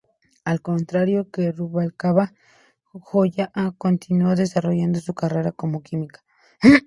Al contrario que Rubalcaba, Goya continuó desarrollando su carrera como química.